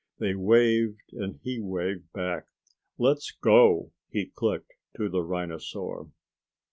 They waved and he waved back. "Let's go!" he clicked to the rhinosaur.